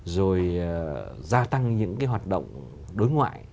rồi gia tăng những cái hoạt động đối ngoại